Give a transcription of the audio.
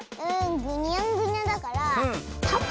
ぐにゃんぐにゃだからタコ？